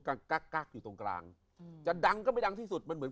กักกักอยู่ตรงกลางอืมจะดังก็ไม่ดังที่สุดมันเหมือน